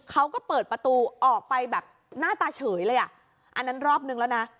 เขาก็เปิดประตูออกไปแบบหน้าตาเฉยเลยอ่ะอันนั้นรอบนึงแล้วนะ